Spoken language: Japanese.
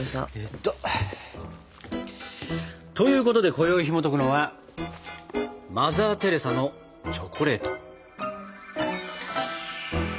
どうぞ。ということでこよいひもとくのは「マザー・テレサのチョコレート」。